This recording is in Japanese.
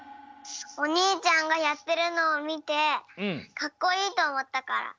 おにいちゃんがやってるのをみてカッコいいとおもったから！